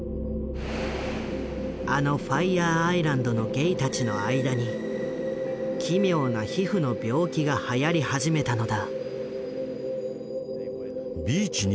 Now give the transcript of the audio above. あのファイヤーアイランドのゲイたちの間に奇妙な皮膚の病気がはやり始めたのだ。